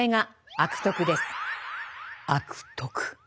「悪徳」。